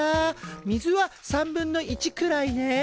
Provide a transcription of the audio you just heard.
水は３分の１くらいね。